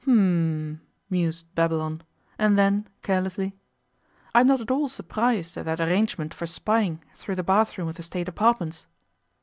'H'm!' mused Babylon; and then, carelessly, 'I am not at all surprised at that arrangement for spying through the bathroom of the State apartments.